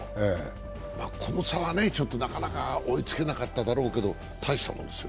この差はなかなか追いつけなかったでしょうけど大したもんですよ。